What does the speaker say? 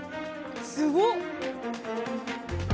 すごっ！